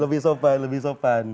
lebih sopan lebih sopan